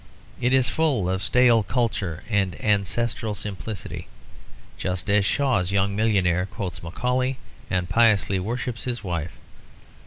It is full of stale culture and ancestral simplicity, just as Shaw's young millionaire quotes Macaulay and piously worships his wife.